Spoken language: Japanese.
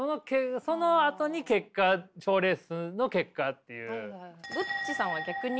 そのあとに結果賞レースの結果っていう。